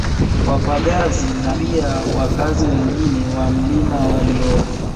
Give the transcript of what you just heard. Wapagazi na pia wakazi wengine wa mlima waliona